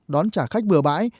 đón trả khách bừa bãi